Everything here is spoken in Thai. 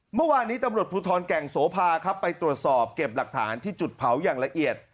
เมื่อวานนี้ตำรวจภูทรแก่งโสภาครับไปตรวจสอบเก็บหลักฐานที่จุดเผาอย่างละเอียด